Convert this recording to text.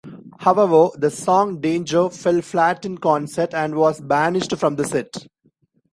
However, the song "Danger" fell flat in concert and was banished from the set.